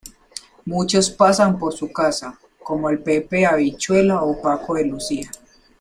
Muchos pasan por su casa, como el Pepe Habichuela o Paco de Lucía.